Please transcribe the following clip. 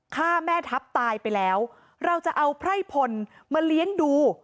ฆ่าแม่ทัพตายไปแล้วเราจะเอาไพร่พลมาเลี้ยงดู